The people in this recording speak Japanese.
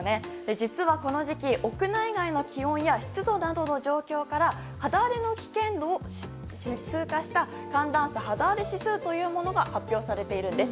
実はこの時期、屋内外の気温や湿度などの状況から肌荒れの危険度を数値化した寒暖差肌荒れ指数というものが発表されているんです。